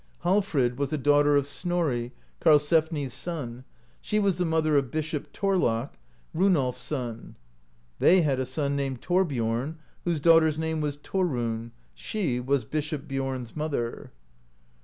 Hallfrid was a daughter of Snorri, Karlsefni's son, she was the mother of Bishop Thorlak, Runolf s son (60). They had a son named Thorbiorn, whose daugh ter's name was Thomnn [she was] Bishop Biorn's mother.